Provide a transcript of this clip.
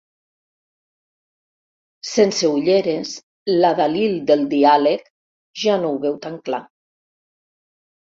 Sense ulleres l'adalil del diàleg ja no ho veu tan clar.